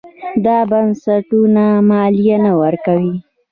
دا بنسټونه مالیه نه ورکوي.